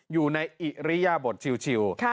อยู่ในอิริยบทชิว